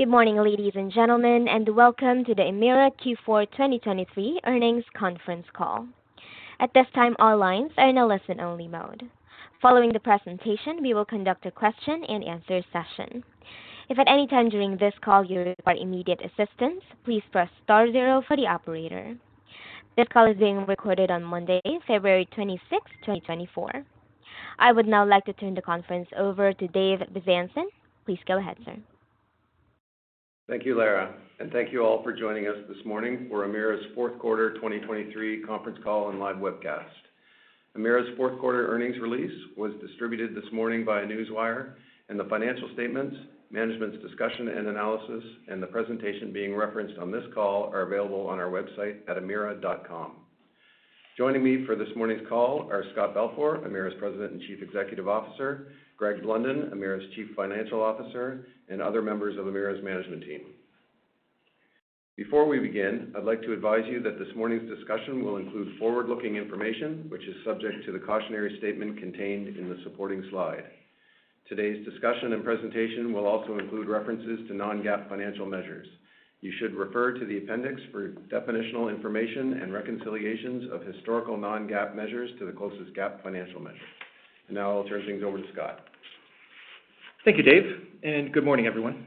Good morning, ladies and gentlemen, and welcome to the Emera Q4 2023 earnings conference call. At this time, all lines are in a listen-only mode. Following the presentation, we will conduct a question-and-answer session. If at any time during this call you require immediate assistance, please press star 0 for the operator. This call is being recorded on Monday, February 26, 2024. I would now like to turn the conference over to Dave Bezanson. Please go ahead, sir. Thank you, Lara, and thank you all for joining us this morning for Emera's fourth quarter 2023 conference call and live webcast. Emera's fourth quarter earnings release was distributed this morning by Newswire, and the financial statements, management's discussion and analysis, and the presentation being referenced on this call are available on our website at emera.com. Joining me for this morning's call are Scott Balfour, Emera's President and Chief Executive Officer, Greg Blunden, Emera's Chief Financial Officer, and other members of Emera's management team. Before we begin, I'd like to advise you that this morning's discussion will include forward-looking information, which is subject to the cautionary statement contained in the supporting slide. Today's discussion and presentation will also include references to non-GAAP financial measures. You should refer to the appendix for definitional information and reconciliations of historical non-GAAP measures to the closest GAAP financial measure. Now I'll turn things over to Scott. Thank you, Dave, and good morning, everyone.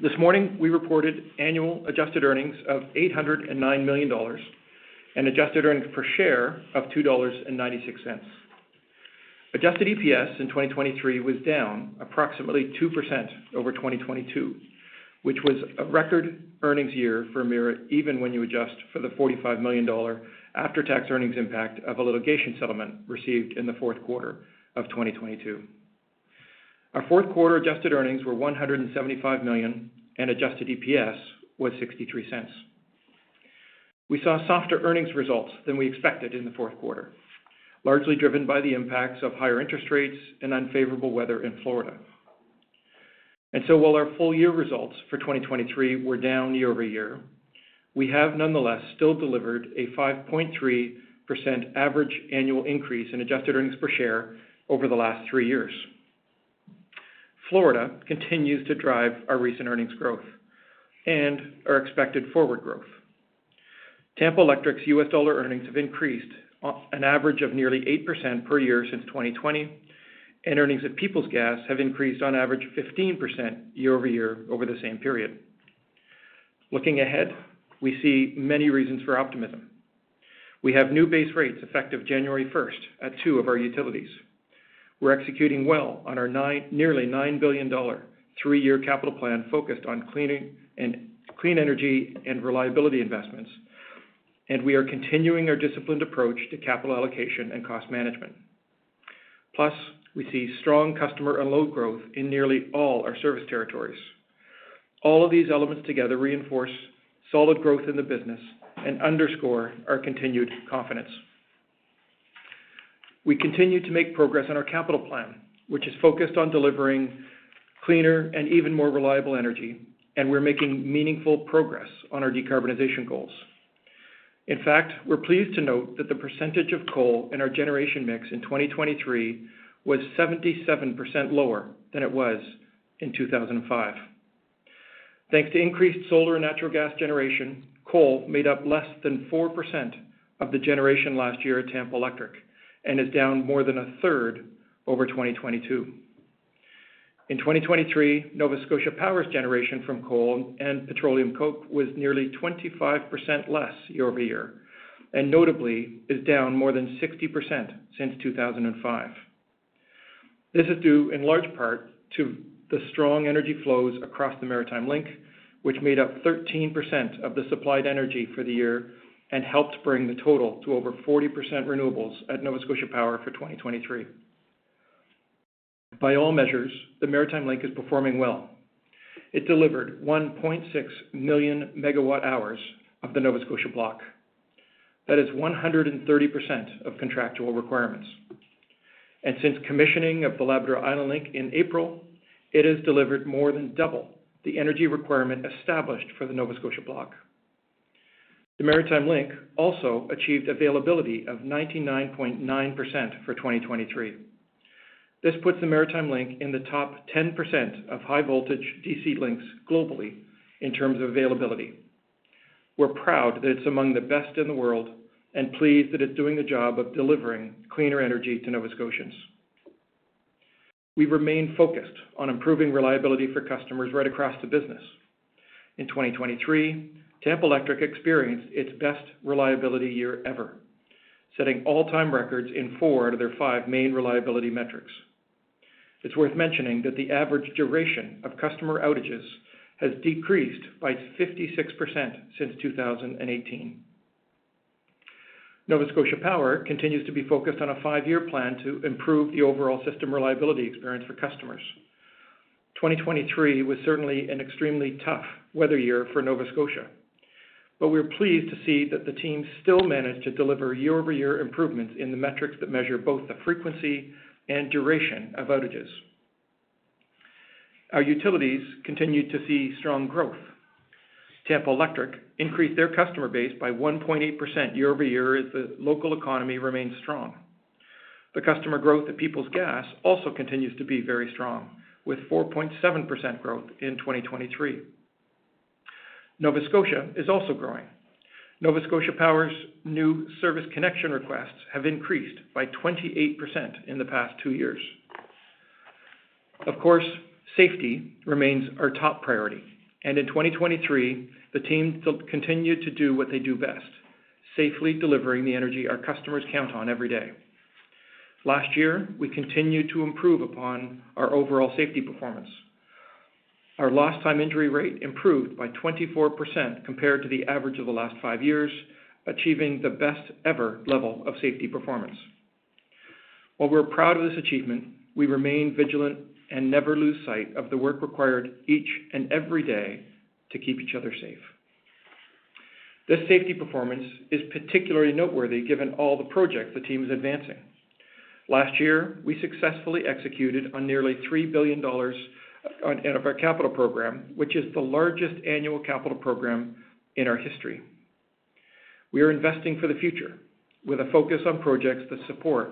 This morning, we reported annual adjusted earnings of 809 million dollars and adjusted earnings per share of 2.96 dollars. Adjusted EPS in 2023 was down approximately 2% over 2022, which was a record earnings year for Emera even when you adjust for the 45 million dollar after-tax earnings impact of a litigation settlement received in the fourth quarter of 2022. Our fourth quarter adjusted earnings were 175 million, and adjusted EPS was 0.63. We saw softer earnings results than we expected in the fourth quarter, largely driven by the impacts of higher interest rates and unfavorable weather in Florida. And so while our full-year results for 2023 were down year over year, we have nonetheless still delivered a 5.3% average annual increase in adjusted earnings per share over the last three years. Florida continues to drive our recent earnings growth and our expected forward growth. Tampa Electric's U.S. dollar earnings have increased an average of nearly 8% per year since 2020, and earnings at Peoples Gas have increased on average 15% year-over-year over the same period. Looking ahead, we see many reasons for optimism. We have new base rates effective January 1st at two of our utilities. We're executing well on our nearly $9 billion three-year capital plan focused on clean energy and reliability investments, and we are continuing our disciplined approach to capital allocation and cost management. Plus, we see strong customer load growth in nearly all our service territories. All of these elements together reinforce solid growth in the business and underscore our continued confidence. We continue to make progress on our capital plan, which is focused on delivering cleaner and even more reliable energy, and we're making meaningful progress on our decarbonization goals. In fact, we're pleased to note that the percentage of coal in our generation mix in 2023 was 77% lower than it was in 2005. Thanks to increased solar and natural gas generation, coal made up less than 4% of the generation last year at Tampa Electric and is down more than a third over 2022. In 2023, Nova Scotia Power's generation from coal and petroleum coke was nearly 25% less year-over-year and notably is down more than 60% since 2005. This is due in large part to the strong energy flows across the Maritime Link, which made up 13% of the supplied energy for the year and helped bring the total to over 40% renewables at Nova Scotia Power for 2023. By all measures, the Maritime Link is performing well. It delivered 1.6 million MWh of the Nova Scotia block. That is 130% of contractual requirements. Since commissioning of the Labrador Island Link in April, it has delivered more than double the energy requirement established for the Nova Scotia block. The Maritime Link also achieved availability of 99.9% for 2023. This puts the Maritime Link in the top 10% of high-voltage DC links globally in terms of availability. We're proud that it's among the best in the world and pleased that it's doing the job of delivering cleaner energy to Nova Scotians. We remain focused on improving reliability for customers right across the business. In 2023, Tampa Electric experienced its best reliability year ever, setting all-time records in four out of their five main reliability metrics. It's worth mentioning that the average duration of customer outages has decreased by 56% since 2018. Nova Scotia Power continues to be focused on a five-year plan to improve the overall system reliability experience for customers. 2023 was certainly an extremely tough weather year for Nova Scotia, but we're pleased to see that the team still managed to deliver year-over-year improvements in the metrics that measure both the frequency and duration of outages. Our utilities continued to see strong growth. Tampa Electric increased their customer base by 1.8% year over year as the local economy remains strong. The customer growth at Peoples Gas also continues to be very strong, with 4.7% growth in 2023. Nova Scotia is also growing. Nova Scotia Power's new service connection requests have increased by 28% in the past two years. Of course, safety remains our top priority, and in 2023, the team continued to do what they do best: safely delivering the energy our customers count on every day. Last year, we continued to improve upon our overall safety performance. Our lost-time injury rate improved by 24% compared to the average of the last five years, achieving the best-ever level of safety performance. While we're proud of this achievement, we remain vigilant and never lose sight of the work required each and every day to keep each other safe. This safety performance is particularly noteworthy given all the projects the team is advancing. Last year, we successfully executed on nearly $3 billion of our capital program, which is the largest annual capital program in our history. We are investing for the future with a focus on projects that support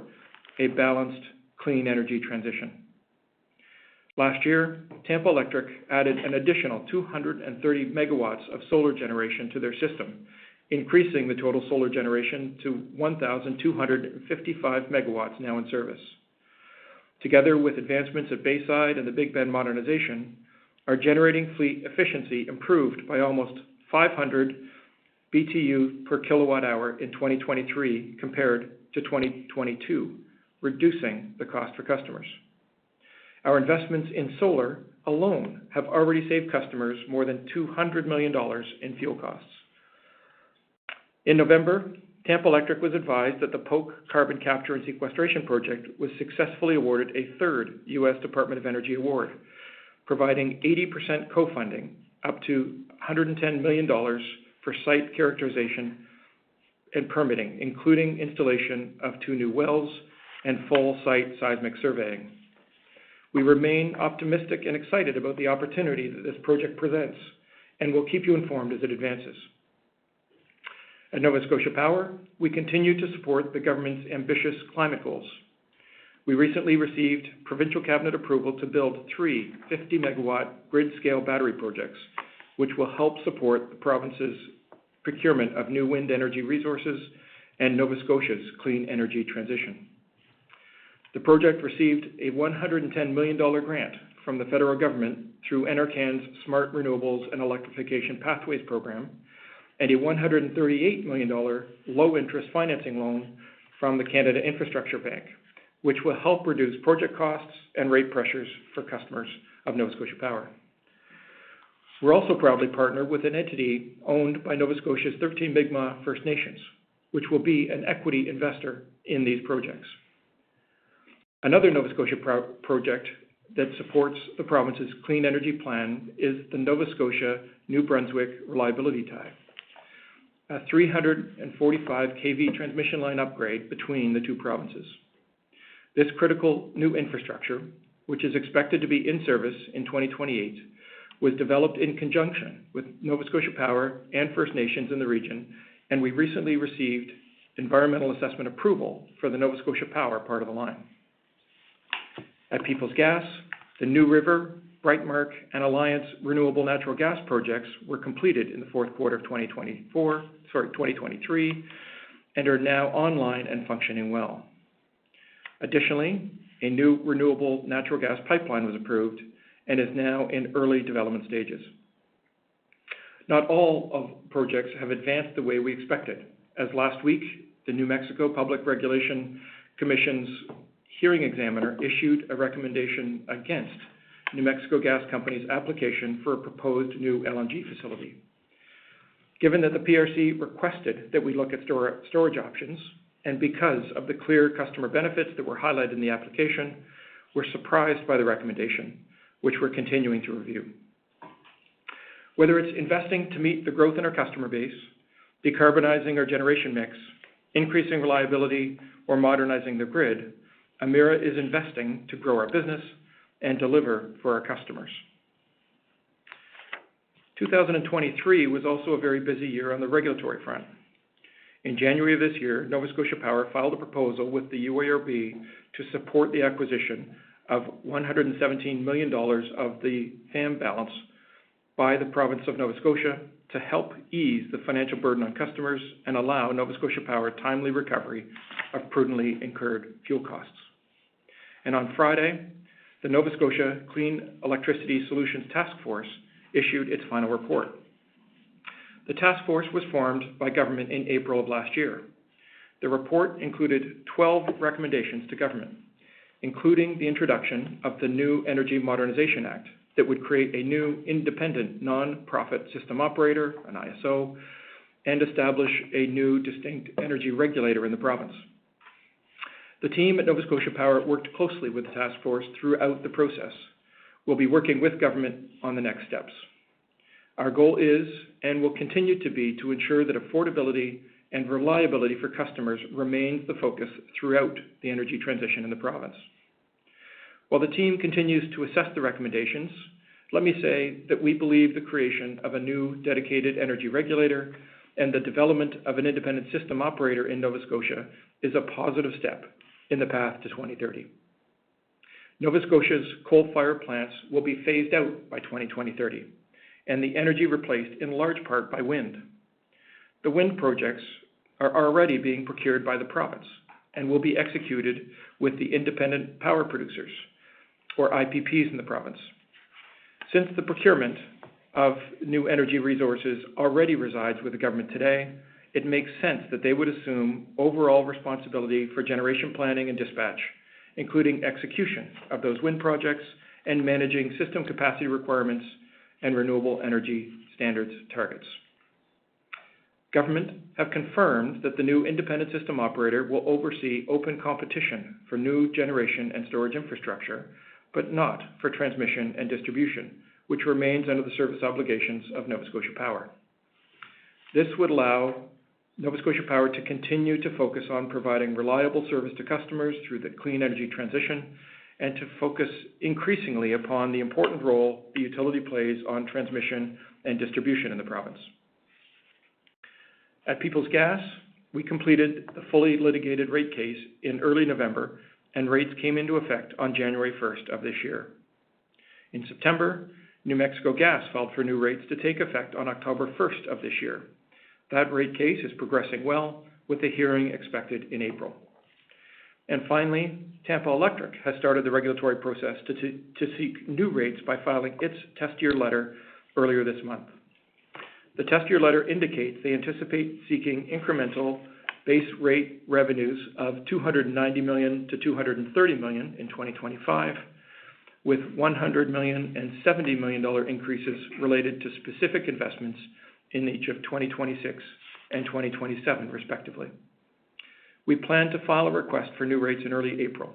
a balanced, clean energy transition. Last year, Tampa Electric added an additional 230 MW of solar generation to their system, increasing the total solar generation to 1,255 MW now in service. Together with advancements at Bayside and the Big Bend modernization, our generating fleet efficiency improved by almost 500 BTU per kilowatt-hour in 2023 compared to 2022, reducing the cost for customers. Our investments in solar alone have already saved customers more than $200 million in fuel costs. In November, Tampa Electric was advised that the Polk CCS Carbon Capture and Sequestration Project was successfully awarded a third U.S. Department of Energy award, providing 80% co-funding up to $110 million for site characterization and permitting, including installation of two new wells and full-site seismic surveying. We remain optimistic and excited about the opportunity that this project presents and will keep you informed as it advances. At Nova Scotia Power, we continue to support the government's ambitious climate goals. We recently received provincial cabinet approval to build 3 50-MW grid-scale battery projects, which will help support the province's procurement of new wind energy resources and Nova Scotia's clean energy transition. The project received a 110 million dollar grant from the federal government through NRCan's Smart Renewables and Electrification Pathways Program and a 138 million dollar low-interest financing loan from the Canada Infrastructure Bank, which will help reduce project costs and rate pressures for customers of Nova Scotia Power. We're also proudly partnered with an entity owned by Nova Scotia's 13 Mi'kmaq First Nations, which will be an equity investor in these projects. Another Nova Scotia project that supports the province's clean energy plan is the Nova Scotia–New Brunswick Reliability Tie, a 345-kV transmission line upgrade between the two provinces. This critical new infrastructure, which is expected to be in service in 2028, was developed in conjunction with Nova Scotia Power and First Nations in the region, and we recently received environmental assessment approval for the Nova Scotia Power part of the line. At Peoples Gas, the New River, Brightmark, and Alliance Renewable Natural Gas projects were completed in the fourth quarter of 2023 and are now online and functioning well. Additionally, a new renewable natural gas pipeline was approved and is now in early development stages. Not all of projects have advanced the way we expected, as last week, the New Mexico Public Regulation Commission's hearing examiner issued a recommendation against New Mexico Gas Company's application for a proposed new LNG facility. Given that the PRC requested that we look at storage options and because of the clear customer benefits that were highlighted in the application, we're surprised by the recommendation, which we're continuing to review. Whether it's investing to meet the growth in our customer base, decarbonizing our generation mix, increasing reliability, or modernizing the grid, Emera is investing to grow our business and deliver for our customers. 2023 was also a very busy year on the regulatory front. In January of this year, Nova Scotia Power filed a proposal with the UARB to support the acquisition of 117 million dollars of the FAM balance by the province of Nova Scotia to help ease the financial burden on customers and allow Nova Scotia Power timely recovery of prudently incurred fuel costs. On Friday, the Nova Scotia Clean Electricity Solutions Task Force issued its final report. The task force was formed by government in April of last year. The report included 12 recommendations to government, including the introduction of the New Energy Modernization Act that would create a new independent nonprofit system operator, an ISO, and establish a new distinct energy regulator in the province. The team at Nova Scotia Power worked closely with the task force throughout the process. [They] will be working with government on the next steps. Our goal is and will continue to be to ensure that affordability and reliability for customers remains the focus throughout the energy transition in the province. While the team continues to assess the recommendations, let me say that we believe the creation of a new dedicated energy regulator and the development of an independent system operator in Nova Scotia is a positive step in the path to 2030. Nova Scotia's coal-fired plants will be phased out by 2020-2030 and the energy replaced in large part by wind. The wind projects are already being procured by the province and will be executed with the independent power producers, or IPPs, in the province. Since the procurement of new energy resources already resides with the government today, it makes sense that they would assume overall responsibility for generation planning and dispatch, including execution of those wind projects and managing system capacity requirements and renewable energy standards targets. Government have confirmed that the new independent system operator will oversee open competition for new generation and storage infrastructure, but not for transmission and distribution, which remains under the service obligations of Nova Scotia Power. This would allow Nova Scotia Power to continue to focus on providing reliable service to customers through the clean energy transition and to focus increasingly upon the important role the utility plays on transmission and distribution in the province. At Peoples Gas, we completed the fully litigated rate case in early November, and rates came into effect on January 1st of this year. In September, New Mexico Gas filed for new rates to take effect on October 1st of this year. That rate case is progressing well, with a hearing expected in April. Finally, Tampa Electric has started the regulatory process to seek new rates by filing its test year letter earlier this month. The test year letter indicates they anticipate seeking incremental base rate revenues of $290 million-$230 million in 2025, with $170 million increases related to specific investments in each of 2026 and 2027, respectively. We plan to file a request for new rates in early April,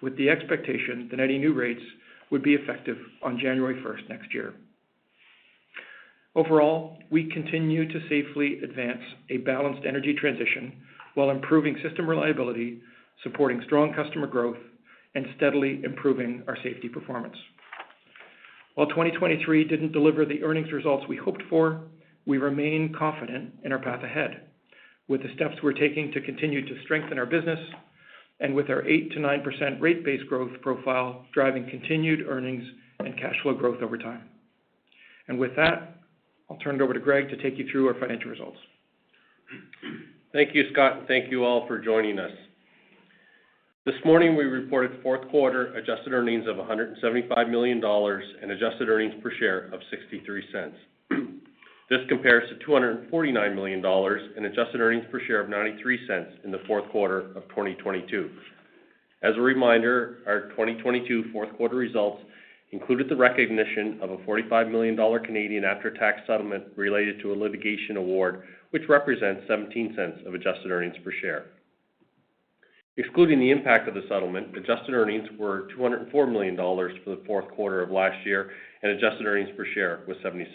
with the expectation that any new rates would be effective on January 1st next year. Overall, we continue to safely advance a balanced energy transition while improving system reliability, supporting strong customer growth, and steadily improving our safety performance. While 2023 didn't deliver the earnings results we hoped for, we remain confident in our path ahead, with the steps we're taking to continue to strengthen our business and with our 8%-9% rate-based growth profile driving continued earnings and cash flow growth over time. And with that, I'll turn it over to Greg to take you through our financial results. Thank you, Scott, and thank you all for joining us. This morning, we reported fourth quarter adjusted earnings of 175 million dollars and adjusted earnings per share of 0.63. This compares to 249 million dollars and adjusted earnings per share of 0.93 in the fourth quarter of 2022. As a reminder, our 2022 fourth quarter results included the recognition of a 45 million Canadian dollars Canadian after-tax settlement related to a litigation award, which represents 0.17 of adjusted earnings per share. Excluding the impact of the settlement, adjusted earnings were 204 million dollars for the fourth quarter of last year, and adjusted earnings per share was 0.76.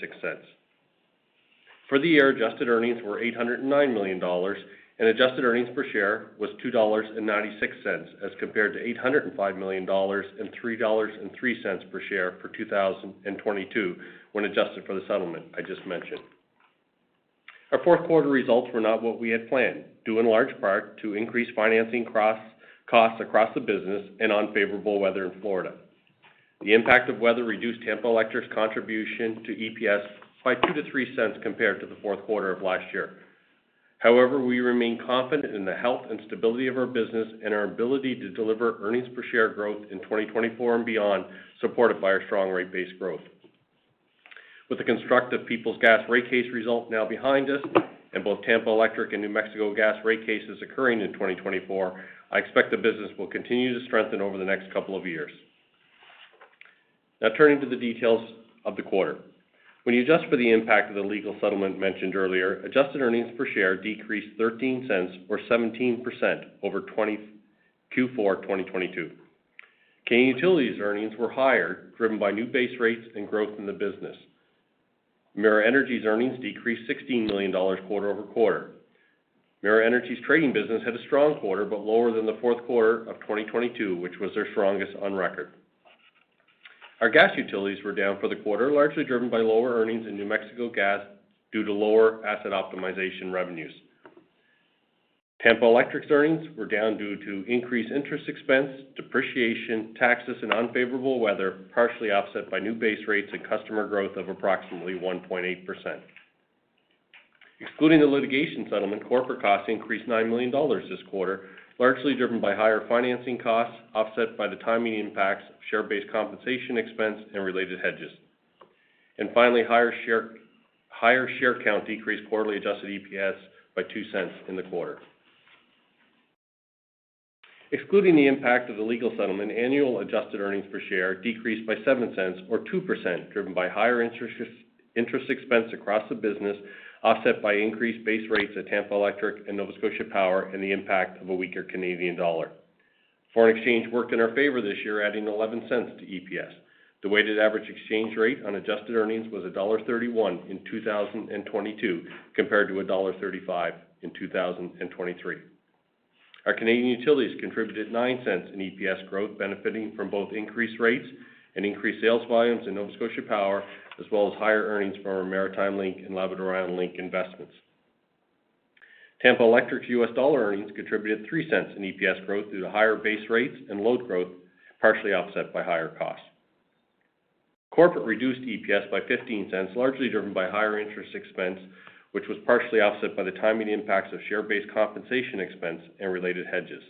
For the year, adjusted earnings were 809 million dollars, and adjusted earnings per share was 2.96 dollars as compared to 805 million dollars and 3.03 dollars per share for 2022 when adjusted for the settlement I just mentioned. Our fourth quarter results were not what we had planned, due in large part to increased financing costs across the business and unfavorable weather in Florida. The impact of weather reduced Tampa Electric's contribution to EPS by $0.02-$0.03 compared to the fourth quarter of last year. However, we remain confident in the health and stability of our business and our ability to deliver earnings per share growth in 2024 and beyond, supported by our strong rate-based growth. With the constructive Peoples Gas rate case result now behind us and both Tampa Electric and New Mexico Gas rate cases occurring in 2024, I expect the business will continue to strengthen over the next couple of years. Now, turning to the details of the quarter. When you adjust for the impact of the legal settlement mentioned earlier, adjusted earnings per share decreased $0.13, or 17%, over Q4 2022. Canadian Utilities' earnings were higher, driven by new base rates and growth in the business. Emera Energy's earnings decreased $16 million quarter-over-quarter. Emera Energy's trading business had a strong quarter but lower than the fourth quarter of 2022, which was their strongest on record. Our gas utilities were down for the quarter, largely driven by lower earnings in New Mexico Gas due to lower asset optimization revenues. Tampa Electric's earnings were down due to increased interest expense, depreciation, taxes, and unfavorable weather, partially offset by new base rates and customer growth of approximately 1.8%. Excluding the litigation settlement, corporate costs increased 9 million dollars this quarter, largely driven by higher financing costs offset by the timing impacts of share-based compensation expense and related hedges. And finally, higher share count decreased quarterly adjusted EPS by 2 cents in the quarter. Excluding the impact of the legal settlement, annual adjusted earnings per share decreased by 7 cents, or 2%, driven by higher interest expense across the business offset by increased base rates at Tampa Electric and Nova Scotia Power and the impact of a weaker Canadian dollar. Foreign exchange worked in our favor this year, adding 11 cents to EPS. The weighted average exchange rate on adjusted earnings was $1.31 in 2022 compared to $1.35 in 2023. Our Canadian utilities contributed $0.09 in EPS growth, benefiting from both increased rates and increased sales volumes in Nova Scotia Power, as well as higher earnings from our Maritime Link and Labrador Island Link investments. Tampa Electric's U.S. dollar earnings contributed $0.03 in EPS growth due to higher base rates and load growth, partially offset by higher costs. Corporate reduced EPS by $0.15, largely driven by higher interest expense, which was partially offset by the timing impacts of share-based compensation expense and related hedges.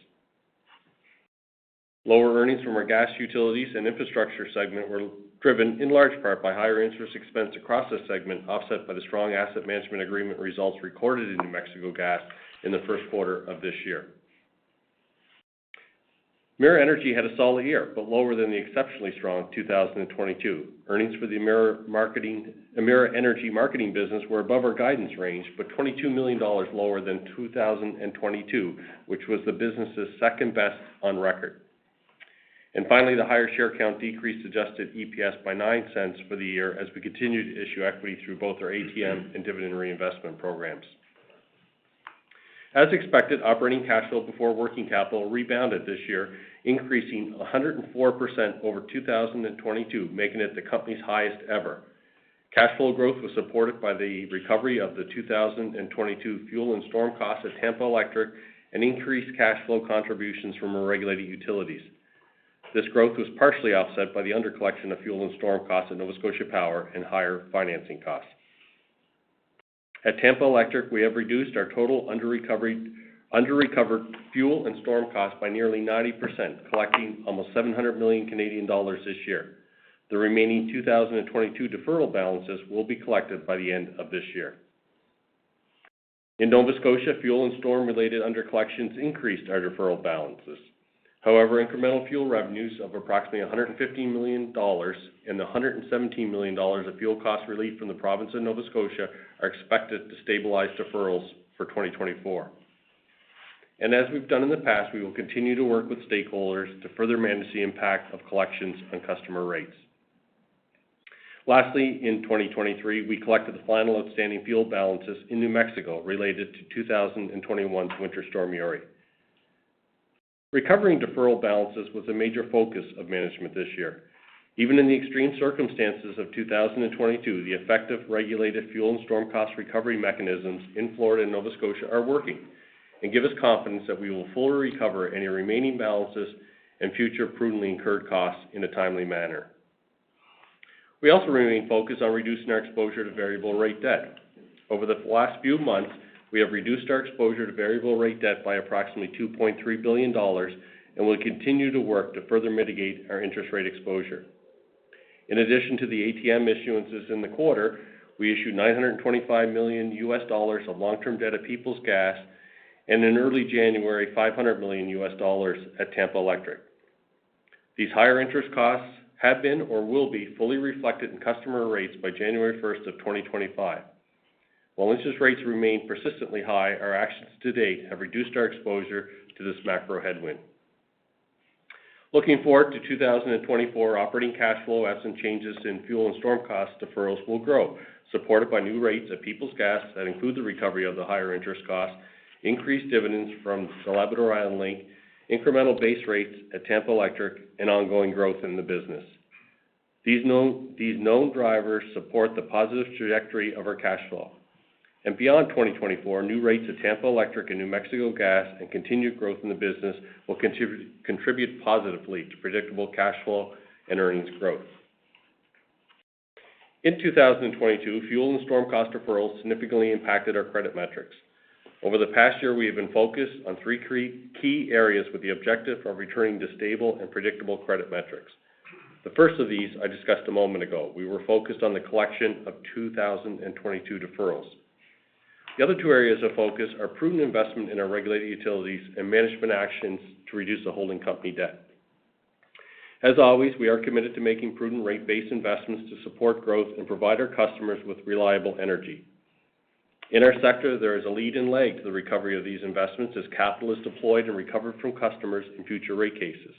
Lower earnings from our gas utilities and infrastructure segment were driven in large part by higher interest expense across the segment, offset by the strong asset management agreement results recorded in New Mexico Gas in the first quarter of this year. Emera Energy had a solid year but lower than the exceptionally strong 2022. Earnings for the Emera Energy marketing business were above our guidance range, but $22 million lower than 2022, which was the business's second best on record. Finally, the higher share count decreased adjusted EPS by $0.09 for the year as we continued to issue equity through both our ATM and dividend reinvestment programs. As expected, operating cash flow before working capital rebounded this year, increasing 104% over 2022, making it the company's highest ever. Cash flow growth was supported by the recovery of the 2022 fuel and storm costs at Tampa Electric and increased cash flow contributions from our regulated utilities. This growth was partially offset by the undercollection of fuel and storm costs at Nova Scotia Power and higher financing costs. At Tampa Electric, we have reduced our total underrecovered fuel and storm costs by nearly 90%, collecting almost $700 million this year. The remaining 2022 deferral balances will be collected by the end of this year. In Nova Scotia, fuel and storm-related undercollections increased our deferral balances. However, incremental fuel revenues of approximately $115 million and the $117 million of fuel cost relief from the province of Nova Scotia are expected to stabilize deferrals for 2024. And as we've done in the past, we will continue to work with stakeholders to further manage the impact of collections on customer rates. Lastly, in 2023, we collected the final outstanding fuel balances in New Mexico related to 2021's winter storm, Uri. Recovering deferral balances was a major focus of management this year. Even in the extreme circumstances of 2022, the effective regulated fuel and storm cost recovery mechanisms in Florida and Nova Scotia are working and give us confidence that we will fully recover any remaining balances and future prudently incurred costs in a timely manner. We also remain focused on reducing our exposure to variable rate debt. Over the last few months, we have reduced our exposure to variable rate debt by approximately $2.3 billion and will continue to work to further mitigate our interest rate exposure. In addition to the ATM issuances in the quarter, we issued $925 million of long-term debt at Peoples Gas and, in early January, $500 million at Tampa Electric. These higher interest costs have been or will be fully reflected in customer rates by January 1st of 2025. While interest rates remain persistently high, our actions to date have reduced our exposure to this macro headwind. Looking forward to 2024, operating cash flow as in changes in fuel and storm cost deferrals will grow, supported by new rates at Peoples Gas that include the recovery of the higher interest costs, increased dividends from the Labrador Island Link, incremental base rates at Tampa Electric, and ongoing growth in the business. These known drivers support the positive trajectory of our cash flow. Beyond 2024, new rates at Tampa Electric and New Mexico Gas and continued growth in the business will contribute positively to predictable cash flow and earnings growth. In 2022, fuel and storm cost deferrals significantly impacted our credit metrics. Over the past year, we have been focused on three key areas with the objective of returning to stable and predictable credit metrics. The first of these I discussed a moment ago. We were focused on the collection of 2022 deferrals. The other two areas of focus are prudent investment in our regulated utilities and management actions to reduce the holding company debt. As always, we are committed to making prudent rate-based investments to support growth and provide our customers with reliable energy. In our sector, there is a leading leg to the recovery of these investments as capital is deployed and recovered from customers in future rate cases.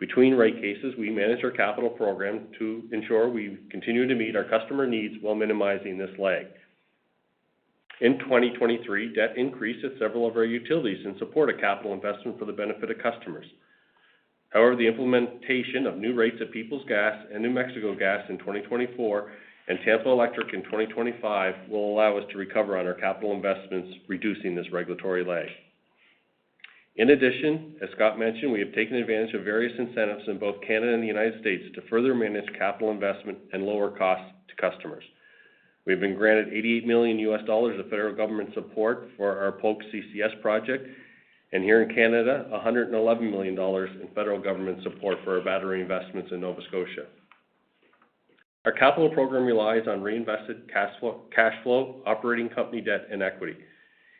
Between rate cases, we manage our capital program to ensure we continue to meet our customer needs while minimizing this lag. In 2023, debt increased at several of our utilities in support of capital investment for the benefit of customers. However, the implementation of new rates at Peoples Gas and New Mexico Gas in 2024 and Tampa Electric in 2025 will allow us to recover on our capital investments, reducing this regulatory lag. In addition, as Scott mentioned, we have taken advantage of various incentives in both Canada and the United States to further manage capital investment and lower costs to customers. We have been granted $88 million of federal government support for our Polk CCS project, and here in Canada, 111 million dollars in federal government support for our battery investments in Nova Scotia. Our capital program relies on reinvested cash flow, operating company debt, and equity.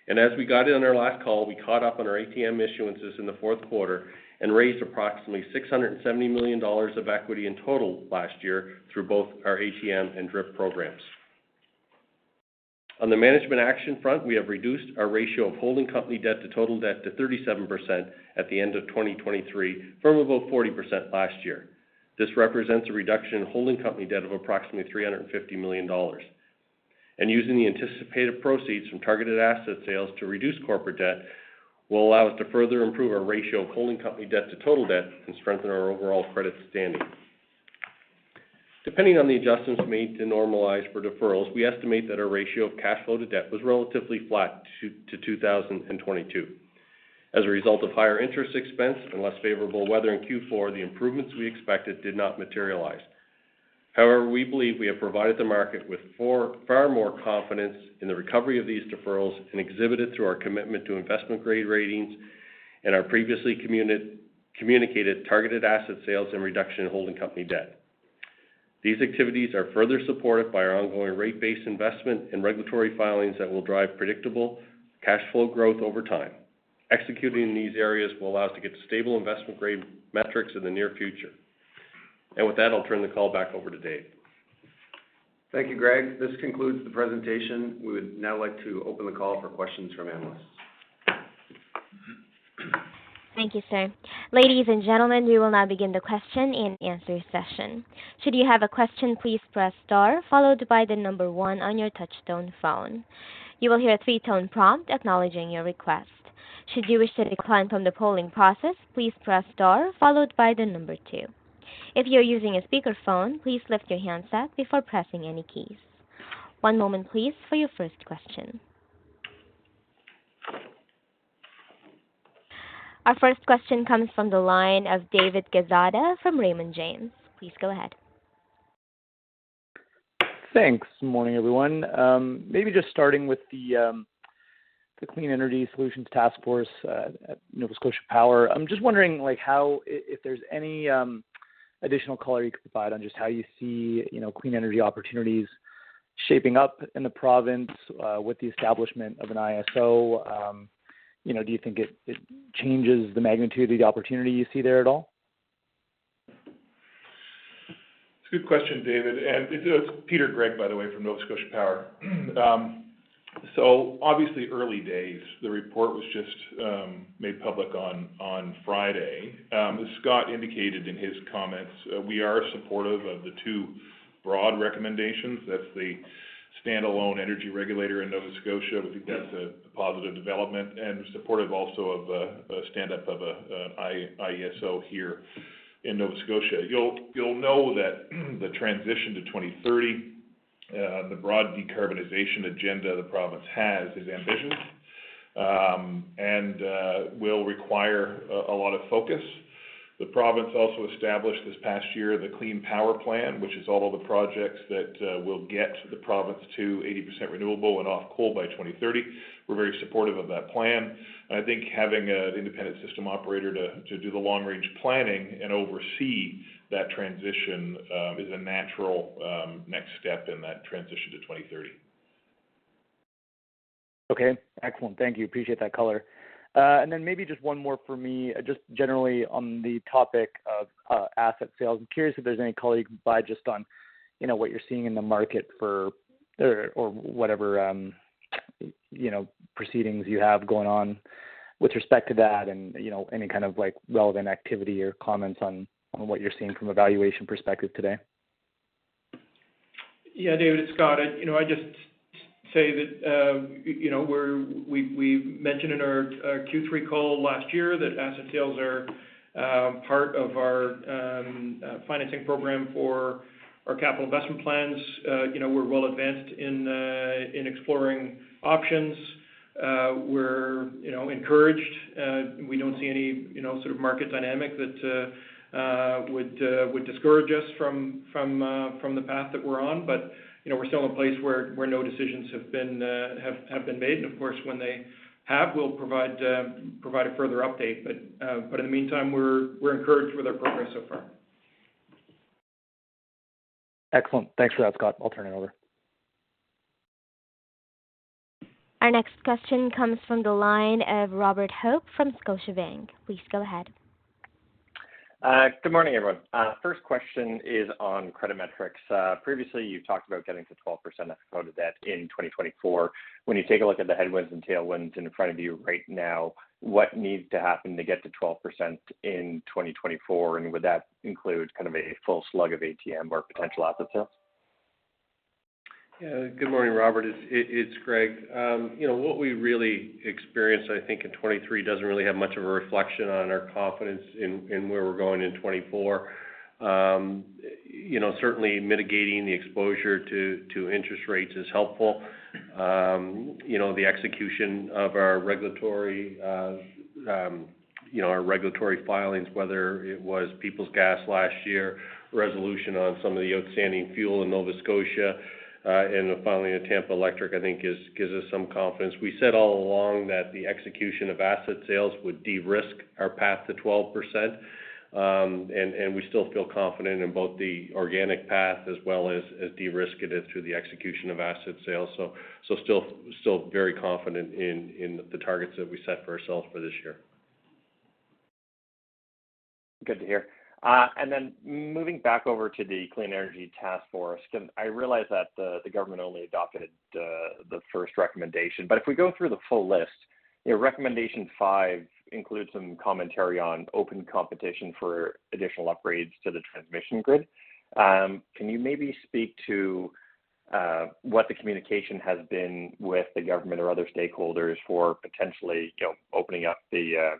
As we got in on our last call, we caught up on our ATM issuances in the fourth quarter and raised approximately 670 million dollars of equity in total last year through both our ATM and DRIP programs. On the management action front, we have reduced our ratio of holding company debt to total debt to 37% at the end of 2023 from about 40% last year. This represents a reduction in holding company debt of approximately $350 million. Using the anticipated proceeds from targeted asset sales to reduce corporate debt will allow us to further improve our ratio of holding company debt to total debt and strengthen our overall credit standing. Depending on the adjustments made to normalize for deferrals, we estimate that our ratio of cash flow to debt was relatively flat to 2022. As a result of higher interest expense and less favorable weather in Q4, the improvements we expected did not materialize. However, we believe we have provided the market with far more confidence in the recovery of these deferrals and exhibited through our commitment to investment-grade ratings and our previously communicated targeted asset sales and reduction in holding company debt. These activities are further supported by our ongoing rate-based investment and regulatory filings that will drive predictable cash flow growth over time. Executing in these areas will allow us to get to stable investment-grade metrics in the near future. And with that, I'll turn the call back over to Dave. Thank you, Greg. This concludes the presentation. We would now like to open the call for questions from analysts. Thank you, sir. Ladies and gentlemen, we will now begin the question and answer session. Should you have a question, please press star followed by the number one on your touch-tone phone. You will hear a three-tone prompt acknowledging your request. Should you wish to decline from the polling process, please press star followed by the number two. If you're using a speakerphone, please lift your handset before pressing any keys. One moment, please, for your first question. Our first question comes from the line of David Quezada from Raymond James. Please go ahead. Thanks. Morning, everyone. Maybe just starting with the Clean Energy Solutions Task Force at Nova Scotia Power, I'm just wondering if there's any additional color you could provide on just how you see clean energy opportunities shaping up in the province with the establishment of an ISO. Do you think it changes the magnitude of the opportunity you see there at all? It's a good question, David. And it's Peter Gregg, by the way, from Nova Scotia Power. So obviously, early days, the report was just made public on Friday. As Scott indicated in his comments, we are supportive of the two broad recommendations. That's the standalone energy regulator in Nova Scotia. We think that's a positive development and supportive also of a standup of an ISO here in Nova Scotia. You'll know that the transition to 2030, the broad decarbonization agenda the province has, is ambitious and will require a lot of focus. The province also established this past year the Clean Power Plan, which is all of the projects that will get the province to 80% renewable and off coal by 2030. We're very supportive of that plan. And I think having an independent system operator to do the long-range planning and oversee that transition is a natural next step in that transition to 2030. Okay. Excellent. Thank you. Appreciate that color. And then maybe just one more for me, just generally on the topic of asset sales. I'm curious if there's any color just on what you're seeing in the market for or whatever proceedings you have going on with respect to that and any kind of relevant activity or comments on what you're seeing from valuation perspective today. Yeah, David, it's Scott. I'd just say that we mentioned in our Q3 call last year that asset sales are part of our financing program for our capital investment plans. We're well advanced in exploring options. We're encouraged. We don't see any sort of market dynamic that would discourage us from the path that we're on. But we're still in a place where no decisions have been made. And of course, when they have, we'll provide a further update. But in the meantime, we're encouraged with our progress so far. Excellent. Thanks for that, Scott. I'll turn it over. Our next question comes from the line of Robert Hope from Scotiabank. Please go ahead. Good morning, everyone. First question is on credit metrics. Previously, you've talked about getting to 12% FFO to debt in 2024. When you take a look at the headwinds and tailwinds in front of you right now, what needs to happen to get to 12% in 2024? And would that include kind of a full slug of ATM or potential asset sales? Yeah. Good morning, Robert. It's Gregg. What we really experience, I think, in 2023 doesn't really have much of a reflection on our confidence in where we're going in 2024. Certainly, mitigating the exposure to interest rates is helpful. The execution of our regulatory filings, whether it was Peoples Gas last year, resolution on some of the outstanding fuel in Nova Scotia, and the filing at Tampa Electric, I think, gives us some confidence. We said all along that the execution of asset sales would de-risk our path to 12%. And we still feel confident in both the organic path as well as de-risking it through the execution of asset sales. So still very confident in the targets that we set for ourselves for this year. Good to hear. And then moving back over to the Clean Energy Task Force, I realize that the government only adopted the first recommendation. But if we go through the full list, recommendation five includes some commentary on open competition for additional upgrades to the transmission grid. Can you maybe speak to what the communication has been with the government or other stakeholders for potentially opening up the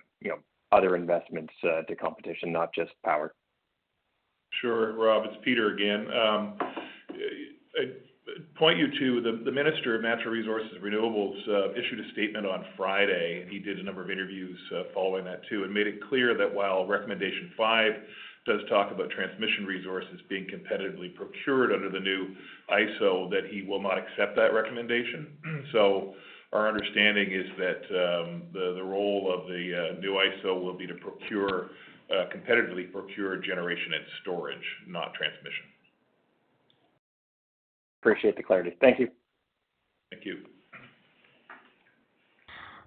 other investments to competition, not just power? Sure, Rob. It's Peter again. I'd point you to the Minister of Natural Resources and Renewables issued a statement on Friday, and he did a number of interviews following that too, and made it clear that while recommendation five does talk about transmission resources being competitively procured under the new ISO, that he will not accept that recommendation. So our understanding is that the role of the new ISO will be to competitively procure generation and storage, not transmission. Appreciate the clarity. Thank you. Thank you.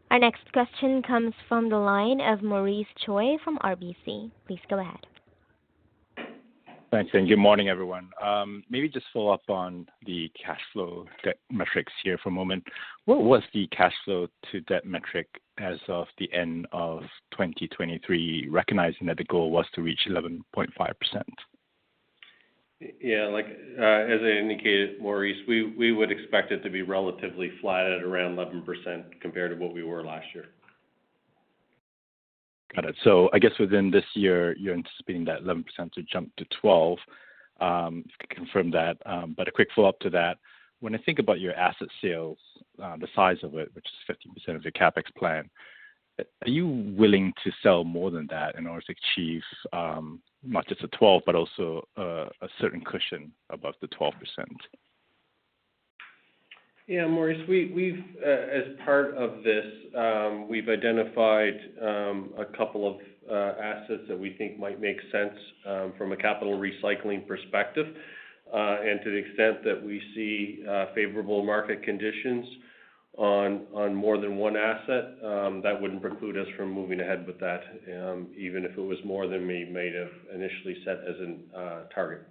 Our next question comes from the line of Maurice Choy from RBC. Please go ahead. Thanks, and good morning, everyone. Maybe just follow up on the cash flow debt metrics here for a moment. What was the cash flow to debt metric as of the end of 2023, recognizing that the goal was to reach 11.5%? Yeah. As I indicated, Maurice, we would expect it to be relatively flat at around 11% compared to what we were last year. Got it. So I guess within this year, you're anticipating that 11% to jump to 12%. If you can confirm that. But a quick follow-up to that. When I think about your asset sales, the size of it, which is 15% of your CapEx plan, are you willing to sell more than that in order to achieve not just a 12%, but also a certain cushion above the 12%? Yeah, Maurice. As part of this, we've identified a couple of assets that we think might make sense from a capital recycling perspective. To the extent that we see favorable market conditions on more than one asset, that wouldn't preclude us from moving ahead with that, even if it was more than we may have initially set as a target.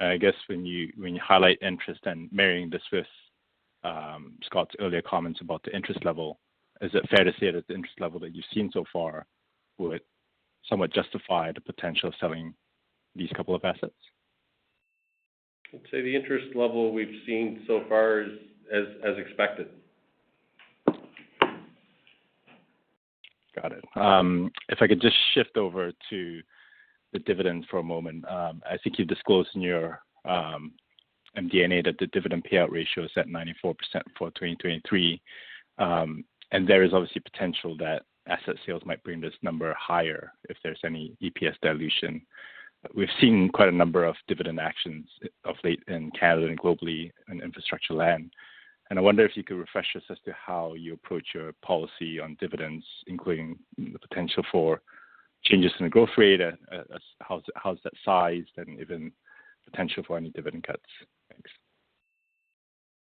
I guess when you highlight interest and marrying this with Scott's earlier comments about the interest level, is it fair to say that the interest level that you've seen so far would somewhat justify the potential of selling these couple of assets? I'd say the interest level we've seen so far is expected. Got it. If I could just shift over to the dividends for a moment. I think you've disclosed in your MD&A that the dividend payout ratio is at 94% for 2023. There is obviously potential that asset sales might bring this number higher if there's any EPS dilution. We've seen quite a number of dividend actions of late in Canada and globally in infrastructure land. I wonder if you could refresh us as to how you approach your policy on dividends, including the potential for changes in the growth rate, how is that sized, and even potential for any dividend cuts. Thanks.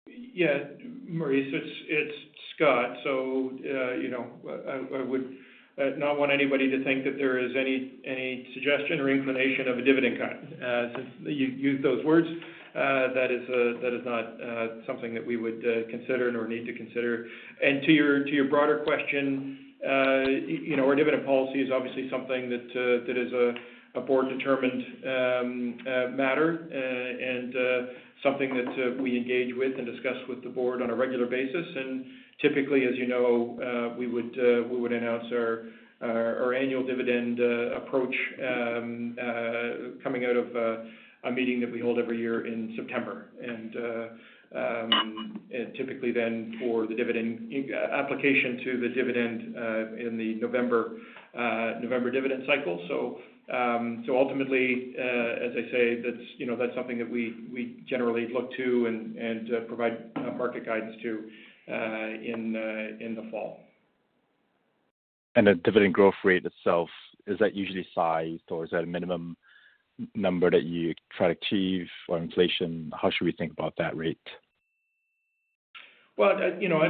Yeah, Maurice, it's Scott. I would not want anybody to think that there is any suggestion or inclination of a dividend cut. Since you used those words, that is not something that we would consider nor need to consider. To your broader question, our dividend policy is obviously something that is a board-determined matter and something that we engage with and discuss with the board on a regular basis. Typically, as you know, we would announce our annual dividend approach coming out of a meeting that we hold every year in September. Typically then for the dividend application to the dividend in the November dividend cycle. So ultimately, as I say, that's something that we generally look to and provide market guidance to in the fall. The dividend growth rate itself, is that usually sized or is that a minimum number that you try to achieve? Or inflation, how should we think about that rate? Well, as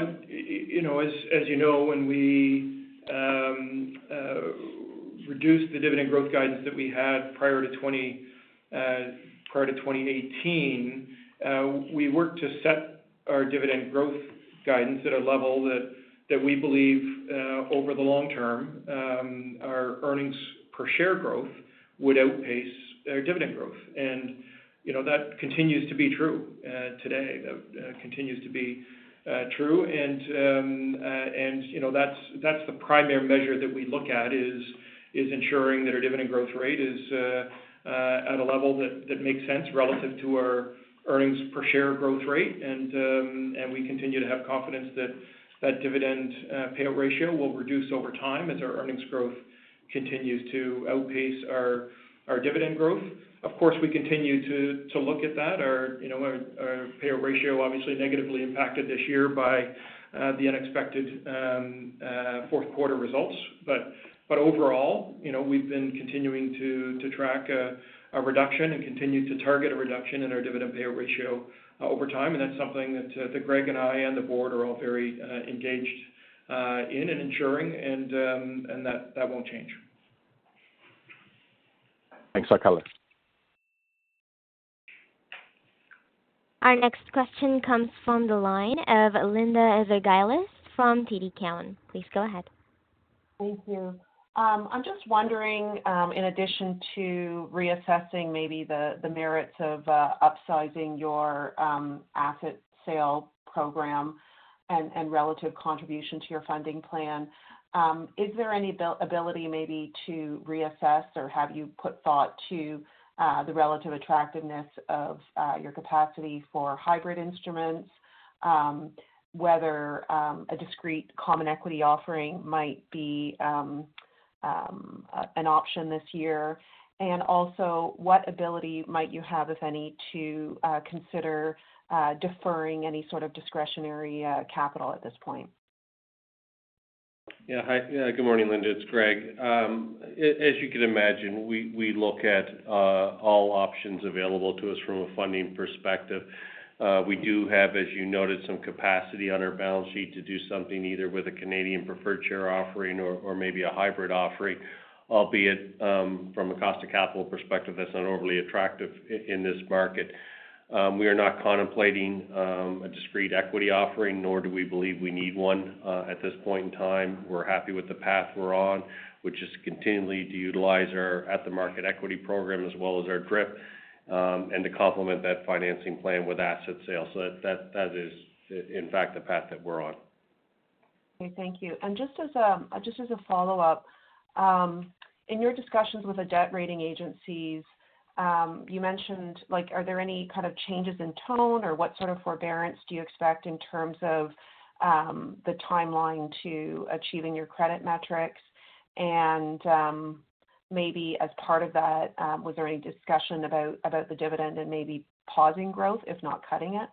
you know, when we reduced the dividend growth guidance that we had prior to 2018, we worked to set our dividend growth guidance at a level that we believe over the long term, our earnings per share growth would outpace our dividend growth. And that continues to be true today. That continues to be true. And that's the primary measure that we look at is ensuring that our dividend growth rate is at a level that makes sense relative to our earnings per share growth rate. And we continue to have confidence that that dividend payout ratio will reduce over time as our earnings growth continues to outpace our dividend growth. Of course, we continue to look at that. Our payout ratio obviously negatively impacted this year by the unexpected fourth-quarter results. But overall, we've been continuing to track a reduction and continue to target a reduction in our dividend payout ratio over time. And that's something that Gregg and I and the board are all very engaged in and ensuring, and that won't change. Thanks, our color. Our next question comes from the line of Linda Ezergailis from TD Cowen. Please go ahead. Thank you. I'm just wondering, in addition to reassessing maybe the merits of upsizing your asset sale program and relative contribution to your funding plan, is there any ability maybe to reassess or have you put thought to the relative attractiveness of your capacity for hybrid instruments, whether a discrete common equity offering might be an option this year? And also, what ability might you have, if any, to consider deferring any sort of discretionary capital at this point? Yeah. Good morning, Linda. It's Gregg. As you can imagine, we look at all options available to us from a funding perspective. We do have, as you noted, some capacity on our balance sheet to do something either with a Canadian preferred share offering or maybe a hybrid offering, albeit from a cost of capital perspective, that's not overly attractive in this market. We are not contemplating a discrete equity offering, nor do we believe we need one at this point in time. We're happy with the path we're on, which is continually to utilize our at-the-market equity program as well as our DRIP and to complement that financing plan with asset sales. So that is, in fact, the path that we're on. Okay. Thank you. And just as a follow-up, in your discussions with the debt rating agencies, you mentioned—are there any kind of changes in tone or what sort of forbearance do you expect in terms of the timeline to achieving your credit metrics? And maybe as part of that, was there any discussion about the dividend and maybe pausing growth, if not cutting it?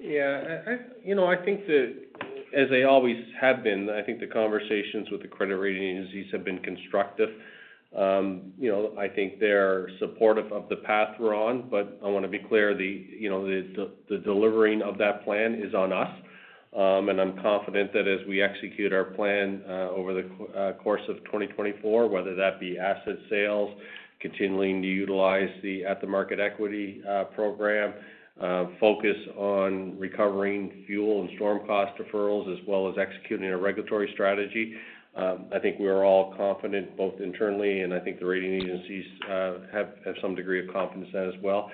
Yeah. I think that, as they always have been, I think the conversations with the credit rating agencies have been constructive. I think they're supportive of the path we're on. But I want to be clear, the delivering of that plan is on us. I'm confident that as we execute our plan over the course of 2024, whether that be asset sales, continually utilize the at-the-market equity program, focus on recovering fuel and storm cost deferrals, as well as executing a regulatory strategy, I think we are all confident both internally, and I think the rating agencies have some degree of confidence in that as well.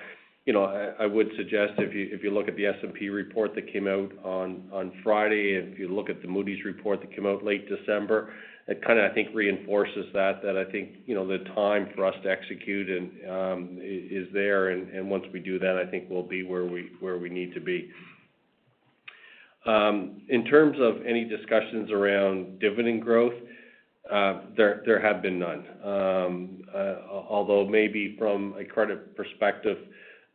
I would suggest if you look at the S&P report that came out on Friday, and if you look at the Moody's report that came out late December, it kind of, I think, reinforces that, that I think the time for us to execute is there. Once we do that, I think we'll be where we need to be. In terms of any discussions around dividend growth, there have been none. Although maybe from a credit perspective,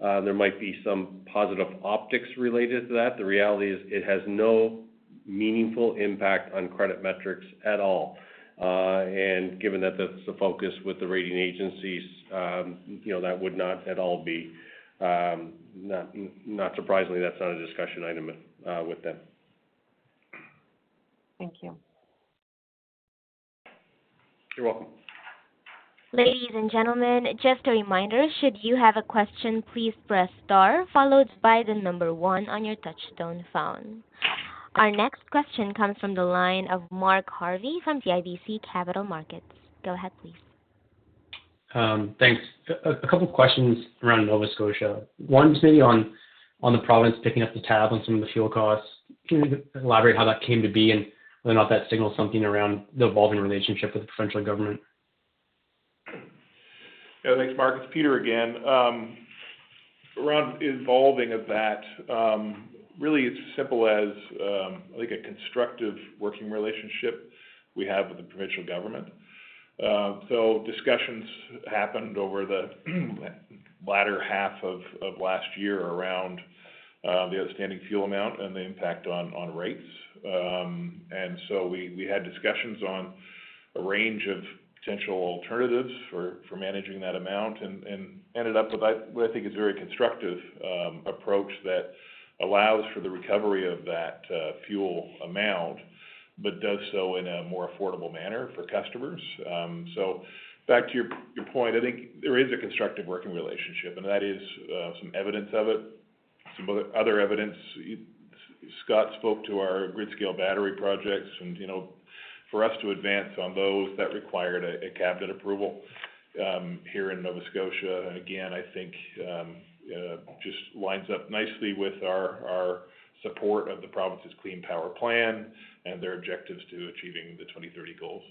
there might be some positive optics related to that, the reality is it has no meaningful impact on credit metrics at all. And given that that's the focus with the rating agencies, that would not at all be not surprisingly, that's not a discussion item with them. Thank you. You're welcome. Ladies and gentlemen, just a reminder, should you have a question, please press star followed by the number one on your touch-tone phone. Our next question comes from the line of Mark Jarvi from CIBC Capital Markets. Go ahead, please. Thanks. A couple of questions around Nova Scotia. One is maybe on the province picking up the tab on some of the fuel costs. Can you elaborate how that came to be and whether or not that signaled something around the evolving relationship with the provincial government? Yeah. Thanks, Mark. It's Peter again. Around evolving of that, really, it's as simple as, I think, a constructive working relationship we have with the provincial government. So discussions happened over the latter half of last year around the outstanding fuel amount and the impact on rates. And so we had discussions on a range of potential alternatives for managing that amount and ended up with what I think is a very constructive approach that allows for the recovery of that fuel amount but does so in a more affordable manner for customers. So back to your point, I think there is a constructive working relationship, and that is some evidence of it, some other evidence. Scott spoke to our grid-scale battery projects. For us to advance on those, that required a cabinet approval here in Nova Scotia. Again, I think just lines up nicely with our support of the province's Clean Power Plan and their objectives to achieving the 2030 goals.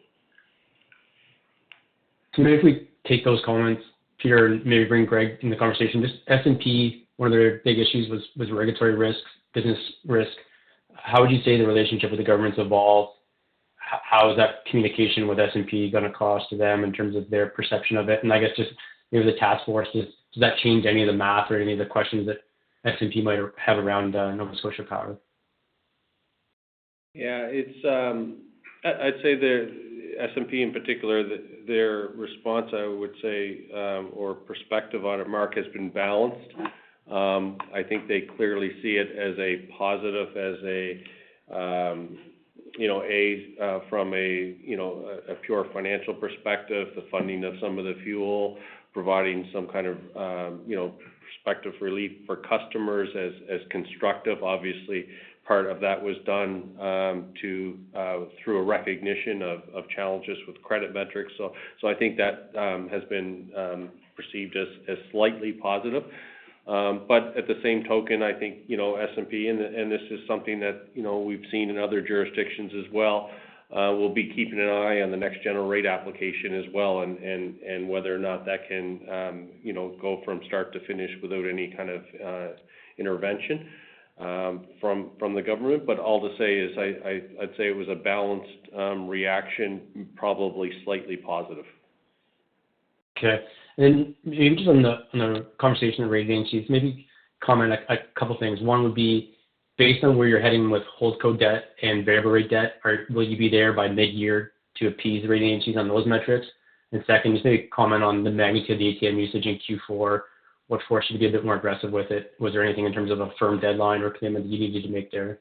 To briefly take those comments, Peter, and maybe bring Gregg in the conversation, just S&P, one of their big issues was regulatory risk, business risk. How would you say the relationship with the government's evolved? How is that communication with S&P going to cost to them in terms of their perception of it? And I guess just maybe the task force, does that change any of the math or any of the questions that S&P might have around Nova Scotia Power? Yeah. I'd say S&P in particular, their response, I would say, or perspective on it, Mark, has been balanced. I think they clearly see it as a positive, as, from a pure financial perspective, the funding of some of the fuel providing some kind of prospective relief for customers as constructive. Obviously, part of that was done through a recognition of challenges with credit metrics. So I think that has been perceived as slightly positive. But at the same token, I think S&P, and this is something that we've seen in other jurisdictions as well, will be keeping an eye on the next-generation rate application as well and whether or not that can go from start to finish without any kind of intervention from the government. But all to say is I'd say it was a balanced reaction, probably slightly positive. Okay. And then just on the conversation with rating agencies, maybe comment a couple of things. One would be, based on where you're heading with holdco debt and variable rate debt, will you be there by mid-year to appease rating agencies on those metrics? And second, just maybe comment on the magnitude of the ATM usage in Q4. What forced you to be a bit more aggressive with it? Was there anything in terms of a firm deadline or commitment that you needed to make there?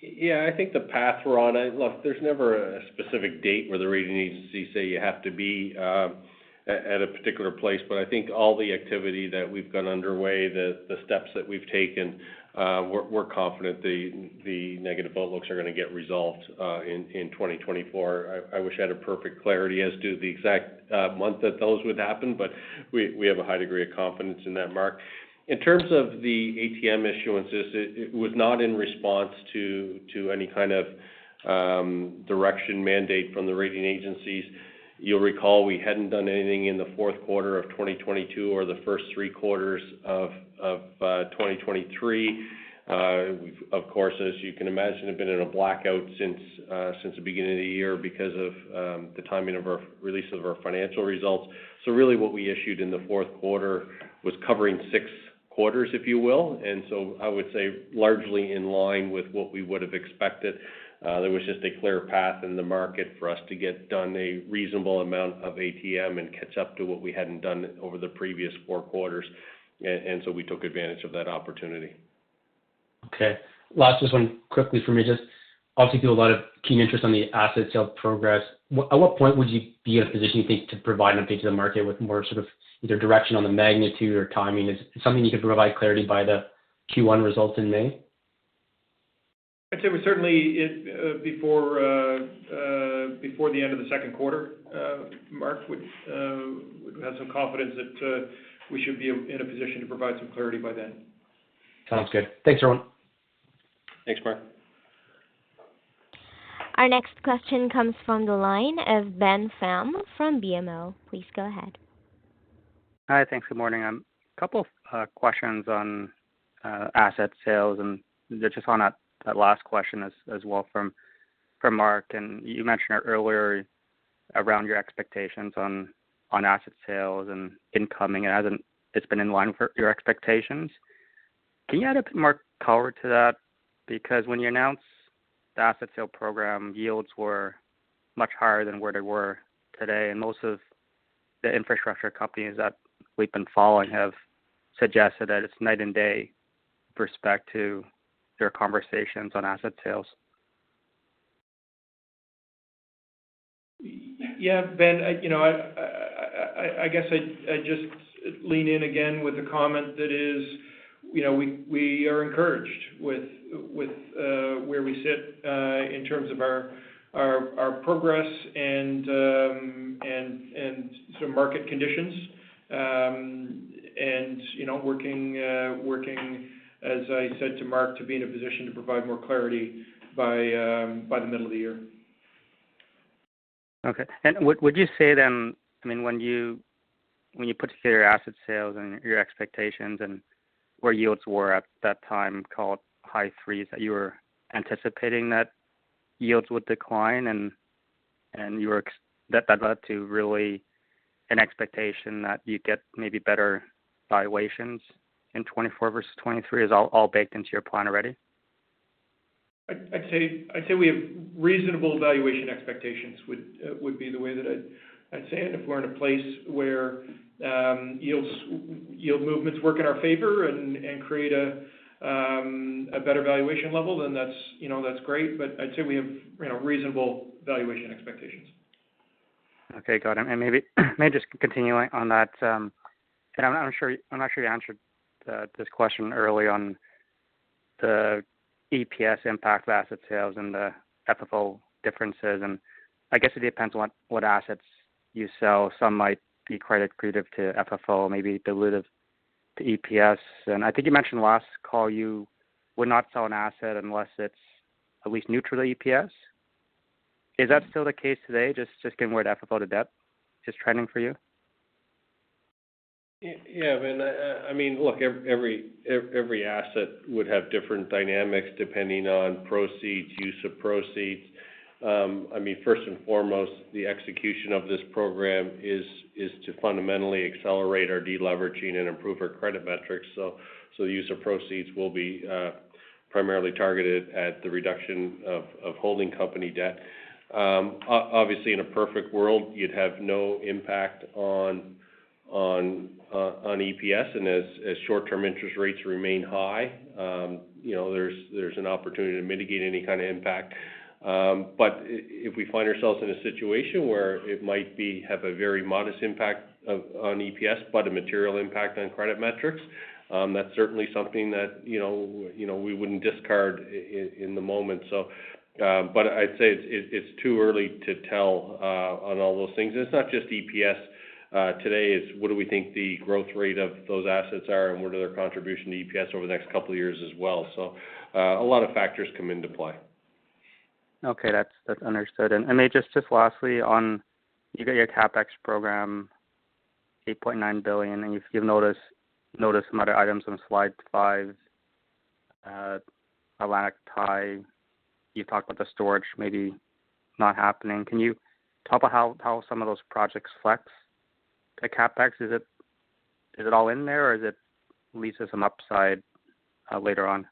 Yeah. I think the path we're on, look, there's never a specific date where the rating agencies say you have to be at a particular place. But I think all the activity that we've got underway, the steps that we've taken, we're confident the negative outlooks are going to get resolved in 2024. I wish I had a perfect clarity as to the exact month that those would happen, but we have a high degree of confidence in that, Mark. In terms of the ATM issuances, it was not in response to any kind of direction mandate from the rating agencies. You'll recall we hadn't done anything in the fourth quarter of 2022 or the first three quarters of 2023. Of course, as you can imagine, it's been in a blackout since the beginning of the year because of the timing of our release of our financial results. So really, what we issued in the fourth quarter was covering six quarters, if you will. And so I would say largely in line with what we would have expected. There was just a clear path in the market for us to get done a reasonable amount of ATM and catch up to what we hadn't done over the previous four quarters. And so we took advantage of that opportunity. Okay. Last just one quickly for me. Obviously, you have a lot of keen interest on the asset sale progress. At what point would you be in a position, you think, to provide an update to the market with more sort of either direction on the magnitude or timing? Is it something you could provide clarity by the Q1 results in May? I'd say certainly before the end of the second quarter, Mark would have some confidence that we should be in a position to provide some clarity by then. Sounds good. Thanks, everyone. Thanks, Mark. Our next question comes from the line of Ben Pham from BMO. Please go ahead. Hi. Thanks. Good morning. A couple of questions on asset sales, and just on that last question as well from Mark. You mentioned earlier around your expectations on asset sales and incoming, it's been in line with your expectations. Can you add a bit more color to that? Because when you announced the asset sale program, yields were much higher than where they were today. And most of the infrastructure companies that we've been following have suggested that it's night and day with respect to their conversations on asset sales. Yeah, Ben, I guess I'd just lean in again with the comment that we are encouraged with where we sit in terms of our progress and sort of market conditions and working, as I said to Mark, to be in a position to provide more clarity by the middle of the year. Okay. And would you say then, I mean, when you put together your asset sales and your expectations and where yields were at that time called high threes, that you were anticipating that yields would decline and that led to really an expectation that you'd get maybe better valuations in 2024 versus 2023? Is all baked into your plan already? I'd say we have reasonable valuation expectations would be the way that I'd say it. And if we're in a place where yield movements work in our favor and create a better valuation level, then that's great. But I'd say we have reasonable valuation expectations. Okay. Got it. And maybe just continuing on that, and I'm not sure you answered this question early on, the EPS impact of asset sales and the FFO differences. And I guess it depends on what assets you sell. Some might be accretive to FFO, maybe dilutive to EPS. I think you mentioned last call you would not sell an asset unless it's at least neutral to EPS. Is that still the case today, just getting away from FFO to debt? Is it trending for you? Yeah, Ben. I mean, look, every asset would have different dynamics depending on proceeds, use of proceeds. I mean, first and foremost, the execution of this program is to fundamentally accelerate our deleveraging and improve our credit metrics. So the use of proceeds will be primarily targeted at the reduction of holding company debt. Obviously, in a perfect world, you'd have no impact on EPS. And as short-term interest rates remain high, there's an opportunity to mitigate any kind of impact. But if we find ourselves in a situation where it might have a very modest impact on EPS but a material impact on credit metrics, that's certainly something that we wouldn't discard in the moment. But I'd say it's too early to tell on all those things. It's not just EPS today. It's what do we think the growth rate of those assets are and what are their contribution to EPS over the next couple of years as well. So a lot of factors come into play. Okay. That's understood. And maybe just lastly, you've got your CapEx program, 8.9 billion, and you've noticed some other items on slide 5, Atlantic Loop. You've talked about the storage maybe not happening. Can you talk about how some of those projects flex the CapEx? Is it all in there, or is it leads to some upside later on?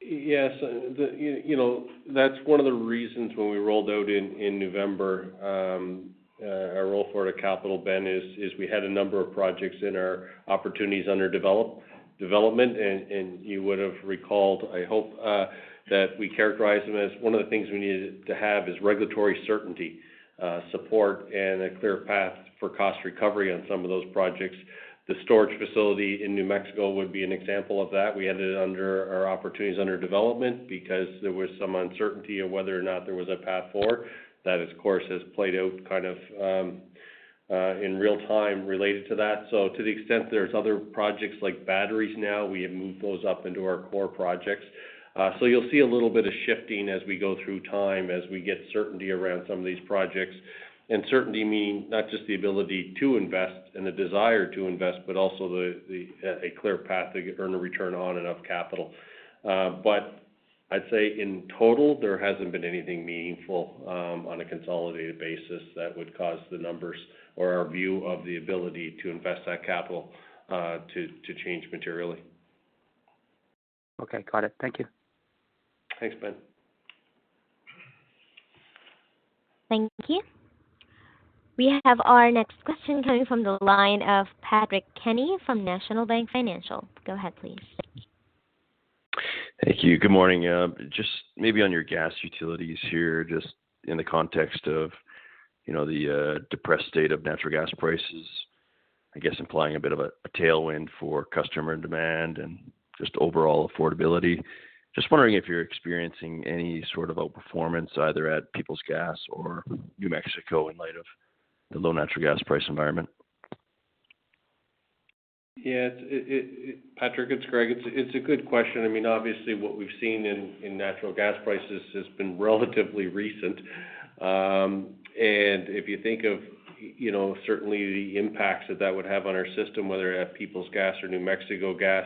Yes. That's one of the reasons when we rolled out in November, our roll forward at CapEx, Ben, is we had a number of projects in our opportunities under development. And you would have recalled, I hope, that we characterize them as one of the things we needed to have is regulatory certainty, support, and a clear path for cost recovery on some of those projects. The storage facility in New Mexico would be an example of that. We had it under our opportunities under development because there was some uncertainty of whether or not there was a path forward that, of course, has played out kind of in real time related to that. So to the extent there's other projects like batteries now, we have moved those up into our core projects. So you'll see a little bit of shifting as we go through time, as we get certainty around some of these projects. And certainty meaning not just the ability to invest and the desire to invest, but also a clear path to earn a return on enough capital. But I'd say in total, there hasn't been anything meaningful on a consolidated basis that would cause the numbers or our view of the ability to invest that capital to change materially. Okay. Got it. Thank you. Thanks, Ben. Thank you. We have our next question coming from the line of Patrick Kenny from National Bank Financial. Go ahead, please. Thank you. Good morning. Just maybe on your gas utilities here, just in the context of the depressed state of natural gas prices, I guess implying a bit of a tailwind for customer and demand and just overall affordability. Just wondering if you're experiencing any sort of outperformance either at Peoples Gas or New Mexico in light of the low natural gas price environment. Yeah, Patrick, it's Greg. It's a good question. I mean, obviously, what we've seen in natural gas prices has been relatively recent. And if you think of certainly the impacts that that would have on our system, whether at Peoples Gas or New Mexico Gas,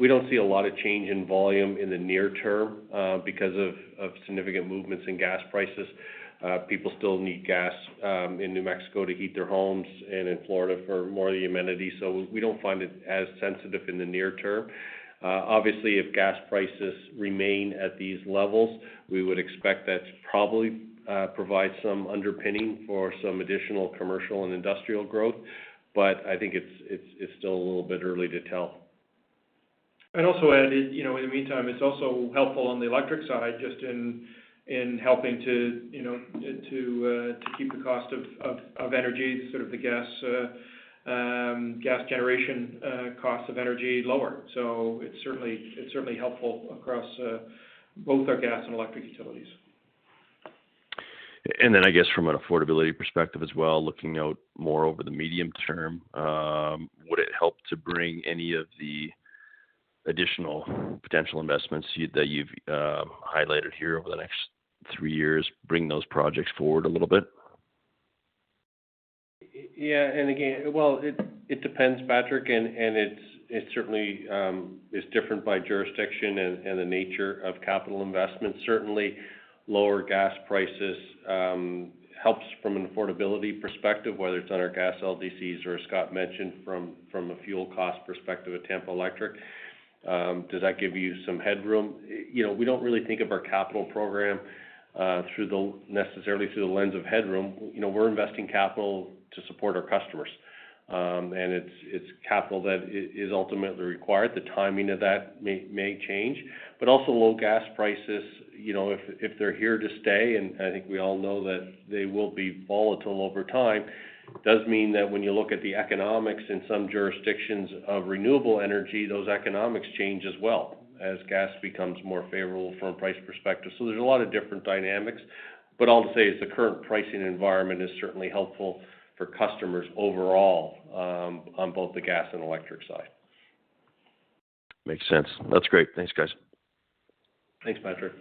we don't see a lot of change in volume in the near term because of significant movements in gas prices. People still need gas in New Mexico to heat their homes and in Florida for more of the amenities. So we don't find it as sensitive in the near term. Obviously, if gas prices remain at these levels, we would expect that to probably provide some underpinning for some additional commercial and industrial growth. But I think it's still a little bit early to tell. I'd also add, in the meantime, it's also helpful on the electric side just in helping to keep the cost of energy, sort of the gas generation cost of energy lower. So it's certainly helpful across both our gas and electric utilities. And then I guess from an affordability perspective as well, looking out more over the medium term, would it help to bring any of the additional potential investments that you've highlighted here over the next three years bring those projects forward a little bit? Yeah. And again, well, it depends, Patrick. And it certainly is different by jurisdiction and the nature of capital investments. Certainly, lower gas prices helps from an affordability perspective, whether it's on our gas LDCs or, as Scott mentioned, from a fuel cost perspective, at Tampa Electric. Does that give you some headroom? We don't really think of our capital program necessarily through the lens of headroom. We're investing capital to support our customers. And it's capital that is ultimately required. The timing of that may change. But also, low gas prices, if they're here to stay, and I think we all know that they will be volatile over time, does mean that when you look at the economics in some jurisdictions of renewable energy, those economics change as well as gas becomes more favorable from a price perspective. So there's a lot of different dynamics. But all to say is the current pricing environment is certainly helpful for customers overall on both the gas and electric side. Makes sense. That's great. Thanks, guys. Thanks, Patrick.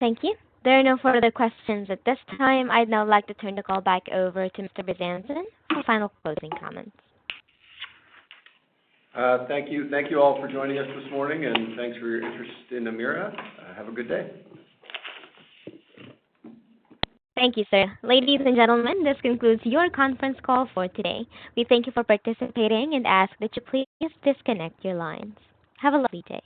Thank you. There are no further questions at this time. I'd now like to turn the call back over to Mr. Bezanson for final closing comments. Thank you. Thank you all for joining us this morning. Thanks for your interest in Emera. Have a good day. Thank you, sir. Ladies and gentlemen, this concludes your conference call for today. We thank you for participating and ask that you please disconnect your lines. Have a lovely day.